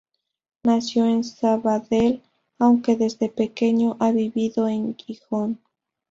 Nació en Sabadell, aunque desde pequeño ha vivido en Gijón.